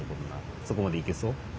そこまでいけそう？